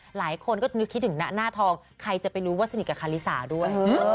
หลายคนก็นึกคิดถึงหน้าทองใครจะไปรู้ว่าสนิทกับคาลิสาด้วย